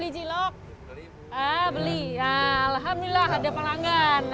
terima kasih ya pak